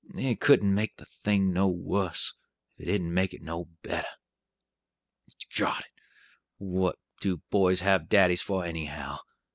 It couldn't make the thing no wuss, if it didn't make it no better. 'Drot it! what do boys have daddies for anyhow?